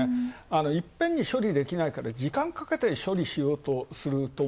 いっぺんに処理できないから時間かけて処理しようとする。